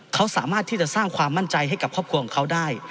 เขาสามารถที่จะสร้างความมั่นใจให้กับครอบครัวของเขาได้